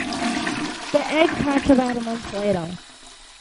The eggs hatch about a month later.